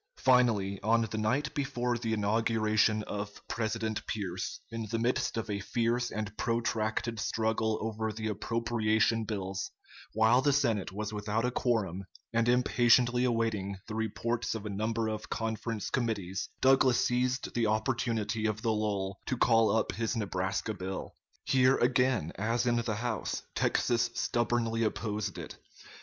Finally, on the night before the inauguration of President Pierce, in the midst of a fierce and protracted struggle over the appropriation bills, while the Senate was without a quorum and impatiently awaiting the reports of a number of conference committees, Douglas seized the opportunity of the lull to call up his Nebraska bill. Here again, as in the House, Texas stubbornly opposed it.